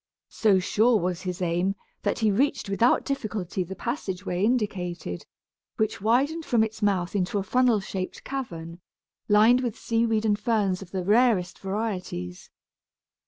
So sure was his aim, that he reached without difficulty the passage way indicated, which widened from its mouth into a funnel shaped cavern, lined with seaweed and ferns of the rarest varieties.